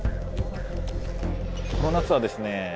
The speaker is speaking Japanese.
この夏はですね